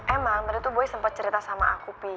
emang tadi tuh boy sempat cerita sama aku pi